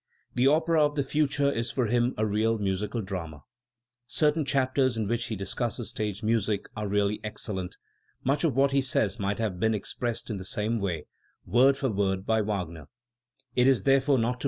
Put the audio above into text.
The opera of the future is for him a real musical drama. Certain chapters in which he discusses stage music are really excellent; much of what he says might have been expressed in the same way, word * Dey kritische Musikus, No.